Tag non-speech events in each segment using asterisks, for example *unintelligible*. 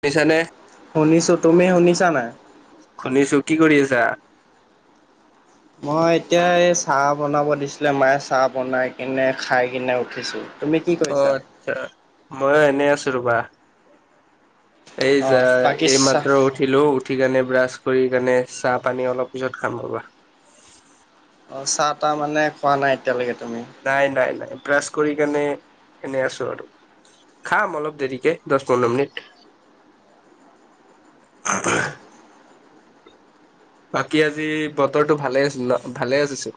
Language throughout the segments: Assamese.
শুনিছানে? শুনিছো তুমি শুনিছা নে নাই? শুনিছো কি কৰি আছা? মই এতিয়া এই চাহ বনাব দিছিলে মায়ে চাহ বনাই কিনে খাই কিনে উঠিছোঁ। অ আচ্ছা ময়ো এনেই আছোঁ ৰবা। এই যে অ' বাকী এই চাহ মাত্ৰ উঠি উঠিলোঁ উঠি কেনে ব্ৰাছ কৰি কেনে চাহ পানী অলপ পিছত খাম ৰবা। অ' চাহ তাহ মানে খোৱা নাই এতিয়ালৈকে তুমি? নাই নাই নাই প্ৰাছ কৰি কেনে এনেই আছো আৰু। খাম অলপ দেৰিকে দহ পোন্ধৰ মিনিট *inaudible* বাকী আজি বতৰটো ভালে আছিল ন ভালে আছে।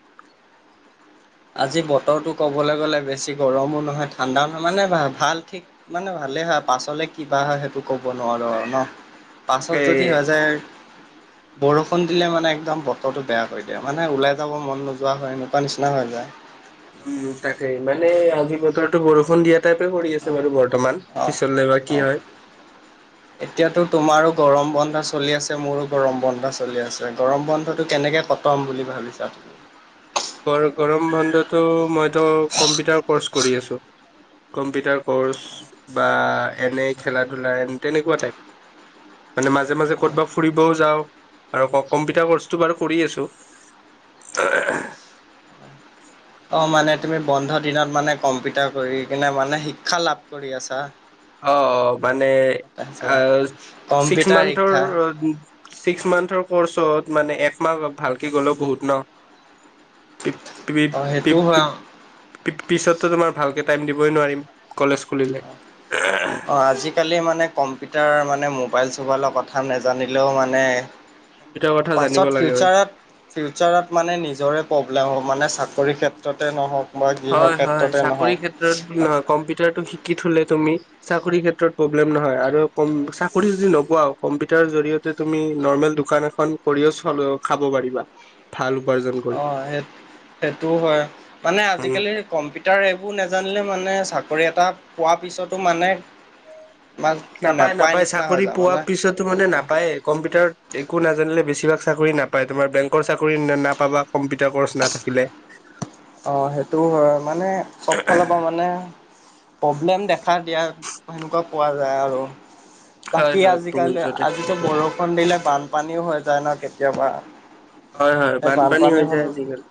আজি বতৰটো ক'বলৈ গ'লে বেছি গৰমো নহয় ঠাণ্ডাও নহয় মানে ভাল ঠিক মানে ভালে হয় পাছলে কিবা হয় সেইটো ক'ব নোৱাৰো আৰু ন। পাছত তাকে যদি হৈ যায় বৰষুণ দিলে মানে একদম বতৰটো বেয়া হৈ দিয়ে মানে ওলাই যাব মন নোযোৱা হয় এনেকুৱা নিচিনা হৈ যায়। উম তাকেই মানে আজি বতৰটো বৰষুণ দিয়াত টাইপে কৰি আছে বাৰু বৰ্তমান অ' পিছলে বা কি অ' হয়। *inaudible* এতিয়াতো তোমাৰো গৰম বন্ধা চলি আছে মোৰো গৰম বন্ধা চলি আছে গৰম বন্ধটো কেনেকে কটা ম বুলি ভাবিছা? গ গৰম বন্ধটো মইতো কম্পিউটাৰ কৰ্চ কৰি আছোঁ। কম্পিউটাৰ ক'ৰ্চ বা এনে খেলা ধূলা এ তেনেকুৱা টাইপ। মানে-মাজে-মাজে ক'তবা ফুৰিবও যাওঁ আৰু কম্পিউটাৰ ক্লাছটো বাৰু কৰি আছো। এ *unintelligible* অ, মানে তুমি বন্ধ দিনত মানে কম্পিউটাৰ কৰি কিনে মানে শিক্ষা লাভ কৰি আছা। অ, মানে তাৰপিছত ছিক্স কম্পিউটাৰ মান্থ ৰ শিক্ষা ছিক্স মান্থৰ কৰ্চত মানে একমাহ ভালকে গ'লেও বহুত ন। অ সেইটো হয় পিছতো তোমাৰ ভালকে টাইম দিবই নোৱাৰিম কলেজ খুলিলে। অ, আজিকালি মানে কম কম্পউটাৰ মানে মোবাইল চোবাইলৰ কথা নেজানিলেও মানে, কম্পিউটাৰ কথা জানিব পাছত লাগে হয় ফিউচাৰত ফিউচাৰত মানে নিজৰে প্ৰব্লেম হ'ব, মানে চাকৰিৰ ক্ষেত্ৰতে নহওক। বা গৃহ হয়-হয় ক্ষেত্ৰতে চাকৰি নহওক ক্ষেত্ৰত নহয় কম্পিউটাৰটো শিকি থলে তুমি, চাকৰি ক্ষেত্ৰত প্ৰব্লেম নহয় আৰু চাকৰি যদি নপাও, কম্পিউটাৰ জৰিয় তুমি নৰ্মেল দোকান এ কৰিও চলিও খাব পাৰিবা, ভাল উপাৰ্জন কৰি অ, সেই সেইটোও হয় মানে উম আজিকালি, কম্পিউটাৰ এইবোৰ নোজানিলে মানে চাকৰি এটা পোৱাৰ পিছতো মানে, মাজ নাপায় নেপায় নাপায় নিচিনা হৈ চাকৰি যায় পোৱা মানে পিছতো মানে নাপায়। কম্পিউটাৰত একো নাজানিলে বেছিভাগ চাকৰি নাপায় তোমাৰ বেংকৰ চাকৰি ন নাপাবা কম্পিউটাৰ কৰ্চ নাথাকিলে। অহ, সেইটোও হয় মানে চব ফালৰ পৰা মানে প্ৰব্লেম দেখা দিয়া সেনেকুৱা পোৱা যায় আৰু। হয় বাকী হয় বহুত আজিকালি যথেষ্ট আজিতো প্ৰব্লেম বৰষুণ দিলে বানপানীও হৈ যায় ন কেতিয়াবা। হয়-হয় বানপানী হৈ যায় আজিকালি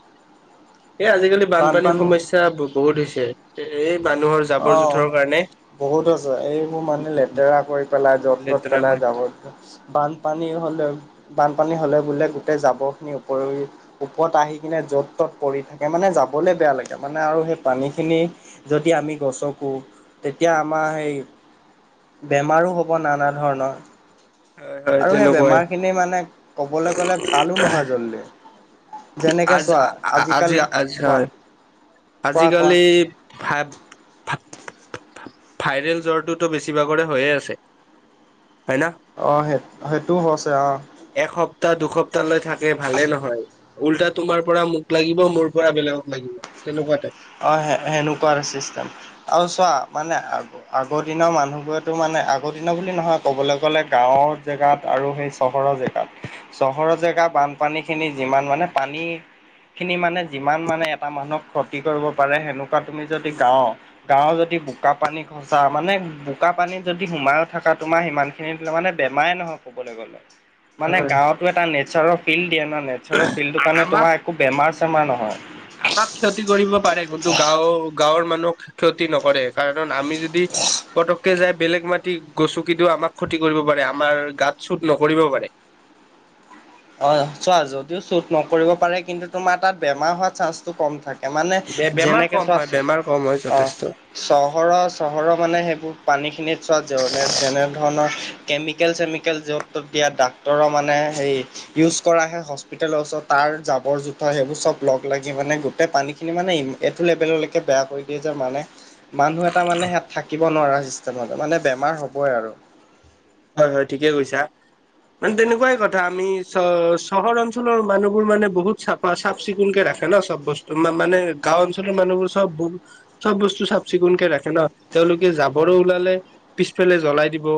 এই আজিকালি বানপানীৰ বানপানী সমস্যা, চা বহুত হৈছে এই মানুহৰ জাবৰ অ' জোথৰ কাৰণে। বহুত আছে এইবোৰ মানে লেতেৰা কৰি পেলাই য'ত ত'ত লেতেৰা পেলাই যাব। কৰিছিলে। বানপানী হ'লে বানপানী হ'লে বোলে গোটেই জাবৰখিনি ওপৰি, ওপৰত আহি কিনে য'ত ত'ত পৰি থাকে মানে যাবলে বেয়া লাগে, মানে আৰু সেই পানী খিনি যদি আমি গছকো, তেতিয়া আমাৰ সেই বেমাৰো হ'ব নানা ধৰণৰ। হয় হয় আৰু সেই তেনেকুৱাই বেমাৰখিনি মানে ক'বলে গ'লে ভালো নহয় জল্দি। যেনেকে চোৱা আজিকাল আজ-আজি কোৱা হয়, কোৱা কোৱা আজিকালি ভ ভাইৰেল জ্বৰটোতো বেছিভাগৰে হৈয়ে আছে, হয় না? অ, সেই সেইটোও হৈছে অ', এসপ্তাহ দুসপ্তাহ লৈ থাকে ভালে নহয়। উল্টা তোমাৰ পৰা মোক লাগিব মোৰ পৰা বেলেগক লাগিব তেনেকুৱা টাইপ। অ, সেনেকুৱা চিষ্টেম আৰু চোৱা মানে আগৰ দিনৰ মানুহবোৰেতো মানে আগৰ দিনৰ বুলি নহয় ক'বলৈ গ'লে গাঁওৰ জেগাত আৰু সেই চহৰৰ জেগাত চহৰৰ জেগা বানপানী খিনি যিমান মানে পানী খিনি মানে যিমান মানে এটা মানুহক ক্ষতি কৰিব পাৰে সেনেকুৱা তুমি যদি গাও, গাঁৱৰ যদি বোকা পানী খ সঁচা মানে বোকা পানীত যদি সোমাইো থকা তোমাৰ সিমানখিনি মানে বেমাৰে নহয় ক'বলে। মানে হয়। গাঁৱতো এটা নোৰৰ ফিল্ড দিয়ে ন। নেচাৰৰ ফিল্ডৰ কাৰণে আমাক তোমাৰ একো বেমাৰ চেমাৰ নহয়। আমাক ক্ষতি কৰিব পাৰে কিন্তু গাঁওৰ-গাঁৱৰ মানুহ ক্ষতি নকৰে। কাৰণ আমি যদি পতককে যাই বেলেগ মাটি গছো কিন্তও আমাক ক্ষতি কৰিব পাৰে আমাৰ গাত চুত নকৰিব পাৰে। অ, চোৱা যদিও শুট নকৰিব পাৰে কিন্তু তোমাৰ তাত বেমাৰ হোৱা চান্সটো কম থাকে। মানে বে বেমাৰ যেনেকে কম চোৱা হয় বেমাৰ কম হয় অ', যথেষ্ট চহৰৰ-চহৰৰ মানে সেইবোৰ পানী খিনিত চোৱা যেনে যেনে ধৰণৰ কেমিকেল চেমিকেল য'ত ত'ত দিয়া ডাক্তৰৰ মানে সেই ইউজ কৰা আহে হস্পিতেেলৰ ওচৰত তাৰ জাবৰ জোথৰ সেইবোৰ চব লগ লাগি মানে গোটেই পানীখিনি মানে এইটো লেভেললৈকে বেয়া কৰি দিয়ে। যে মানে মানুহ এটা মানে সাত থাকিব নোৱাৰা চিষ্টেমতে মানে বেমাৰ হ'বই আৰু। হয়-হয় ঠিকে কৈছা। মানে তেনেকুৱাই কথা আমি চ চহৰ অঞ্চলৰ মানুহবোৰ মানে বহুত চফা চাফ চিকুণ কে ৰাখে ন সব বস্তু, মানে গাঁও অঞ্চলৰ মানহোৰ চব চব বস্তু চাফ চিকুণকে ৰাখে ন, তেওঁলোকে জাবৰে ওলালে পিছফালে জ্বলাই দিব।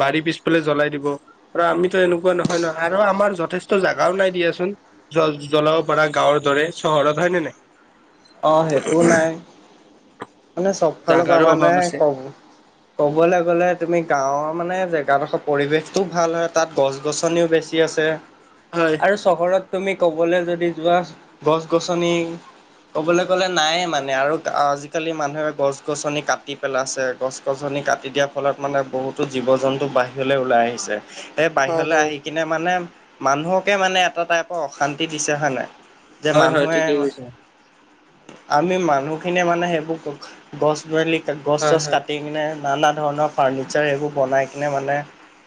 বাৰী পিছফালে জ্বলাই দিব। আৰু আমিতো এনেকুৱা নহয়-নহয় আৰু আমাৰ যথেষ্ট জাগাও নাই দিয়াচোন। জ্ব জ্বলাব পৰা গাঁৱৰ দৰে চহৰত হয় নে নাই? অ, সেইটো নাই মানে চব ফালৰ পৰা জাগাৰো অভাৱ মানে আছে কম ক'বলৈ গ'লে তুমি গাঁওৰ মানে জেগাডোখৰ পৰিৱেশতও ভাল হয় তাত গছ-গছনিও বেছি। আছে। হয়। আৰু চহৰত তুমি ক'বলৈ যদি যোৱা গছ-গছনি। ক'বলে গ'লে নায়ে মানে আৰু জি, আজিকালি মানুহে গছ গছনি কাটি পেলাইছে। গছ গছনি কাটি দিয়াৰ ফলত মানে বহুত জীৱ জন্তু বাহিৰলৈ ওলাই আহিছে। এই বাহিৰলৈ আহি কিনে মানে মানুহকে মানে এটা টাইপৰ অশান্তি দিছে হয় নাই। যে হয় হয় মানুহে ঠিকেই কৈছা আমি মানুহখিনিয়ে মানে সেই গছ মালি গছ হয় চছ হয় কাটি কিনে? নানা ধৰণৰ ফাৰ্ণিচাৰ এইবোৰ বনাই কিনে মানে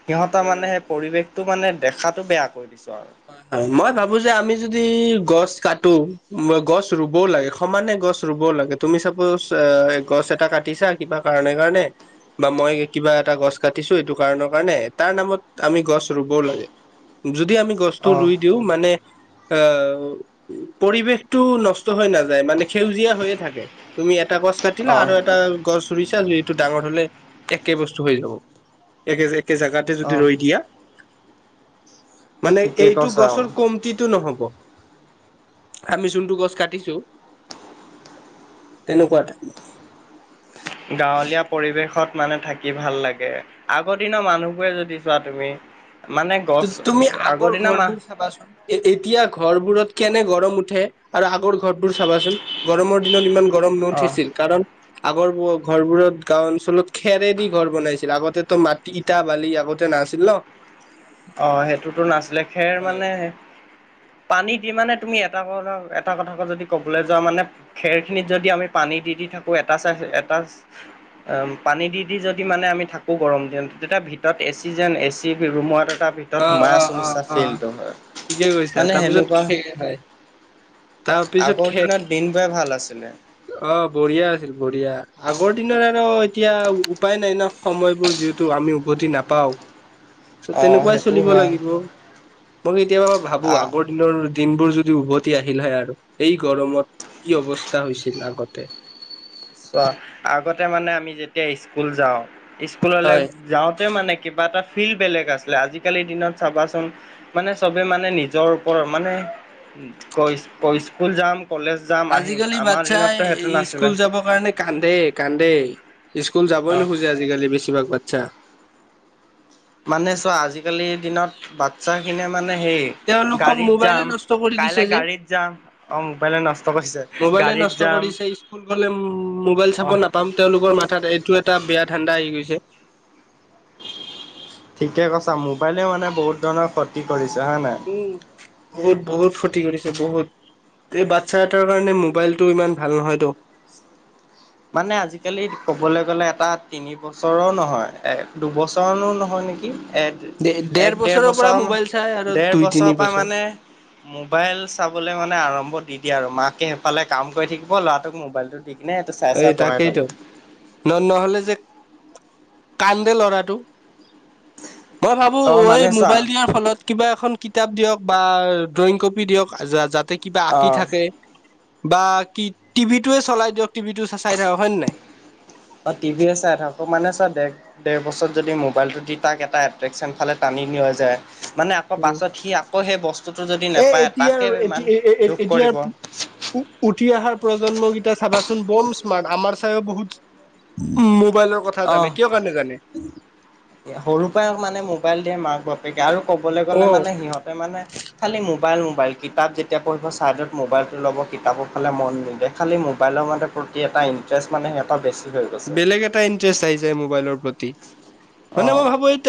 সিহঁতৰ হয় মানে হয় সেই পৰিৱেশ, দেখাটো মানে দেখাতটো বেয়া কৰি দিছো আৰু। হয় মই ভাবো যে, আমি যদি গছ কাটো বা গছ ৰুবও লাগে। সমানে গছ ৰুব লাগে। তুমি চাপোজ গছ এটা কাটিছা কিবা কাৰণে-কাৰণে, বা মই কিবা এটা গছ কাটিছো এইটো কাৰণৰ কাৰণে তাৰ নামত আমি গছ ৰুবও লাগে। যদি আমি গছ টো অ' ৰুই দিও মানে, এ পৰিৱেশ টো নষ্ট হৈ নাযায়। সেউজীয়া হৈয়ে থাকে, তুমি এটা গছ কাটিলা অ' আৰু এটা গছ ৰুইছা যিহেটো ডাঙৰ হলে একে বস্তু হৈ যাব একে একে জেগাত যদি অ' ৰৈ দিয়া। মানে ঠিকেই এইটো কৈছা আৰু। গছৰ কমতিটো নহ'ব। আমি যোনটো গছ কাটিছো তেনেকুৱাটা। গাঁৱলীয়া পৰিৱেশত মানে থাকি ভাল লাগে। আগৰ দিনৰ মানুহবোৰে যদি চোৱা তুমি মানে তুমি গছ আগৰ দিনা ঘৰবোৰ মাহ চাবাচোন? এ এতিয়া ঘৰবোৰত কেনে গৰম উঠে আৰু আগৰ ঘৰবোৰ চাবাচোন গৰমৰ দিনত ইমান গৰম অ' নুউঠিছিল কাৰণ আগৰ ঘৰবোৰত গাওঁ অঞ্চলত খেৰেদি ঘৰ বনাইছিলে। আগতে মাটি তা বালি আগতে নাছিল ন। অ' সেইটোতো নাছিলে খেৰ হয় মানে পানী দি মানে তুমি এটা কথা, এটা কথাাক যদি ক'বলৈ যোৱা মানে খেৰ খিনিত যদি আমি পানী দি-দি থাকো। এটা চাই এটা অ' পানী দি-দি যদি মানে আমি থাকো, গৰম দিন তেতিয়া ভিতৰত এ চি যেন, এ চি ৰুমত তাৰ ভিতৰত অ অ সোমাই চো অ নিচা অ ফল্টো হয়। ঠিকে কৈছা মানে তাৰপিছত সেনেকুৱা খে হয় তাৰপিছত আগৰ খে দিনত দিন বোৰে ভাল আছিলে। অ' বঢ়িয়া আছিল, বঢ়িয়া। আগৰ দিনৰ আৰু এতিয়া উপায় নাই ন। সময়বোৰ যিহেতু আমি উভতি নাপাওঁ। চ' অ' তেনেকুৱাই সেইটো চলিব হয় লাগিব। মই কেতিয়াবা ভাবো আ আগৰ দিনৰ দিনবোৰ যদি উভতি আহিল হয় আৰু এই গৰমত কি অৱস্থা হৈছিল আগতে। অ' আগতে মানে আমি যেতিয়া স্কুল যাওঁ স্কুললে হয় যাওঁতে মানে কিবা এটা ফিল বেলেগ আছিলে। আজিকালিৰ দিনত চাবাচোন মানে চবে মানে নিজৰ ওপৰত মানে স্কুল যাম, কলেজ যাম আহিম আজি-কালি আমাৰ বাচ্ছাই দিনততো সেইটো নাছিলে স্কুল যাব কাৰণে কান্দে-কান্দে। স্কুল যাবই অ নোখোজে আজিকালি বেছিভাগ বাচ্ছা। মানে চোৱা আজি-কালিৰ দিনত বাচ্ছাখিনিয় মানে হেই তেওঁলোকক গাড়ীত মোবাইলে যাম, নষ্ট কৰি দিছে কাইলে যে গাড়ীত যাম। অ' মোবাইলে নষ্ট কৰিছে। মোবাইলে গাড়ীত নষ্ট যাম কৰিছে, স্কুল গলে মোবাইল অ চাব নাপাম। তেওঁলোকৰ মাথাত এইটো এটা বেয়া ঠাণ্ডা আহি গৈছে। ঠিকে কৈছা মোবাইলে মানে বহুত ধৰণৰ ক্ষতি কৰিছে হে নাই। উ' বহুত-বহুত ক্ষতি কৰিছে বহুত। এই বাচ্ছা এটাৰ কাৰণে মোবাইলতটো ইমান ভাল নহয়তো। মানে আজিকালি ক'বলৈ গ'লে এটা তিনি বছৰৰ নহয়, এ দুবছৰো নহয় নেকি? কি এক- এক ডেৰ বছৰৰ পৰা বছৰ, মোবাইল চাই আৰু ডেৰ দুই বছৰৰ তিনি পৰা বছৰ মানে মোবাইল চাবলে মানে আৰম্ভ দি দিয়ে আৰু মাকে সেইফালে কাম কৰি থাকিব ল'ৰাটোক মোবাইলতো দি কিনে চাই এই চাই বহাই থব তাকেইতো ন- নহ'লে যে কান্দে লৰাটো। মই ভাবো অ এই মানে চা মোবাইল দিয়াৰ ফলত কিবা এখন কিতাপ দিয়ক বা ড্ৰয়িং কপি দিয়ক যাতে কিবা অ আঁকি থাকে। বা কি টিভিটোৱে চলাই দিয়ক। টিভিটো চাই থাকক হয় নে নাই? অ' টিভিও চাই অকমানে চোৱা দে। দেৰ বছৰত যদি মোবাইলটো দি তাক এটা এট্ৰেকশচন ফালে টানি লিয়া যায় মানে আকৌ পাছত সি আকৌ সেই বস্তুটো যদি এ নেপায় এতিয়াৰ তাকে ইমান দুখ এতিয়াৰ কৰিব। উঠি অহাৰ প্ৰজন্মকেইটা চাবাচোন বম স্মাৰ্ট আমাৰ চাইও বহুত উ' মোবাইলৰ কথা অ জানে। কিযহৰ কাৰণে জানে? সৰুৰ পৰাই মানে মোবাইল দিয়ে মাক-বাপেকে আৰু কবলে অ গ'লে মানে সিহঁতে মানে খালি মোবাইল-মোবাইল। কিতাপ যেতিয়া পঢ়িব ছাইডত মোবাইলটো লব কিতাপৰ ফালে মন নিদে খালি মোবাইলৰ মতে প্ৰতি এটা ইণ্টাৰেষ্ট মানে এটা বেছি। হৈ গৈছে বেলেগ এটা ইণ্টাৰেষ্ট আহি যায় মোবাইলৰ প্ৰতি। মানে অ' মই ভাবো এই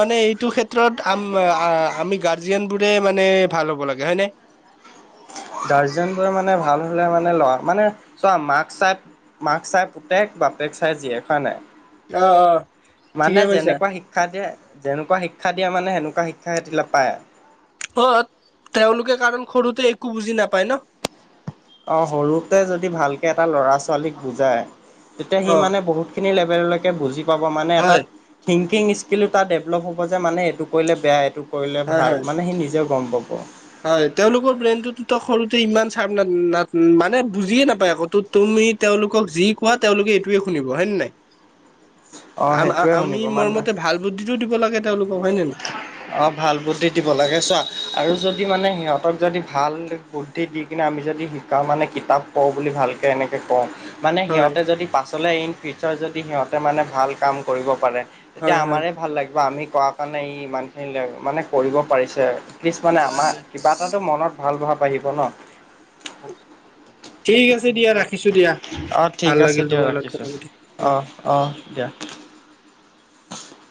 মানে এইটো ক্ষেত্ৰত ক্ষ্ৰত আম আমি গাৰ্জিয়ান বোৰে মানে ভাল হ'ব লাগে হয় ন? গাৰ্জেন মানে ভাল হলে মানে লৰা মানে চোৱা মাক চাই মাক চাই পুতেক, বাপেক চাই জীয়েক হয় নে নাই? অ অ মানে ঠিকে কৈছা। যেনেকুৱা শিকা শিক্ষায়ে যেনেকোৱা শিক্ষা দিয়া মানে সেনেকুৱা শিক্ষা পায়। অ' তেওঁলোকে কাৰণ সৰুতে একো বুজি নাপায় ন। অ' সৰুতে যদি ভালকৈ এটা ল'ৰা-ছোৱালীক বুজায় তেতিয়া সি অ মানে বহুত ইখিনি লেভেলেলৈ বুজি পাব মানে এটা হয় থিংকিং স্কীল টো দেভেলপ হব যে মানে এইটো কৰিলে বেয়া, এইটো কৰিলে হয় ভাল। হয়। মানে সি নিজে গম পাব। হয় তেওঁলোকৰ ব্ৰেইনটোতো সৰুতে ইমান চাৰ্প মানে বুজিয়ে নাপায় আকৌ তো তুমি তেওঁলোকক যি কোৱা তেওঁলোকে এইটোয়ে শুনিব। হয়নে নাই? অ *inaudible* আ সেইটোৱে আমি শুনিব মোৰ মানে মতে ভাল বুদ্ধিটো দিব লাগে তেওঁলোকক হয় নে নাই। অ ভাল বুদ্ধি দিব লাগে চোৱা আৰু যদি মানে সিহঁতক যদি ভাল বু জাই দি কিনে আমি যদি শিকাওঁ মানে কিতাপ কওঁ বুলি ভালকৈ এনেকৈ কওঁ, মানে হয় সিহঁতে যদি পাছলৈ ইন ফিউচাৰ যদি সিহঁতে মানে ভাল কাম কৰিব পাৰে। তেতিয়া হয় হয়। আমাৰ ভাল লাগিব আমি কোৱা কাৰণে ই ইমানখিনি মানে কৰিব পাৰিছে। প্লিজ মানে হয় আমাৰ হয় কিবা এটাতো মনত ভাল ভাৱ আহিব ন। ঠিক আছে দিয়া ৰাখিছো দিয়া ভাল লাগিল তোমাৰ লগত কথা পাতি। অ। অহ, অহ, দিয়া।